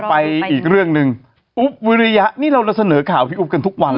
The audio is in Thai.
ไปอีกเรื่องหนึ่งอุ๊บวิริยะนี่เรานำเสนอข่าวพี่อุ๊บกันทุกวัน